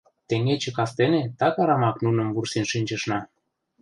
Теҥгече кастене так арамак нуным вурсен шинчышна.